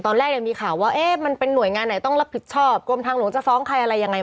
ตอนแรกมีข่าวว่ามันเป็นหน่วยงานไหนต้องรับผิดชอบกรมทางหลวงจะฟ้องใครอะไรยังไง